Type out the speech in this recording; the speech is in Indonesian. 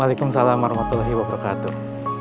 waalaikumsalam warahmatullahi wabarakatuh